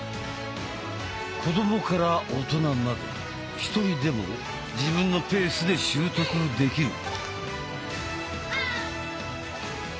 子どもから大人まで１人でも自分のペースで習得できる。